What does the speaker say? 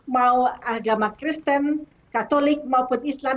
mau agama kristen katolik maupun islam